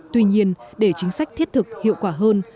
tuy nhiên để chính sách thiết thực hiệu quả hơn